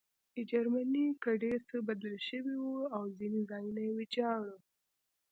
جرمني کې ډېر څه بدل شوي وو او ځینې ځایونه ویجاړ وو